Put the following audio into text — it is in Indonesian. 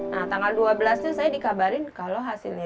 nah tanggal dua belas nya saya dikabarin kalau hasilnya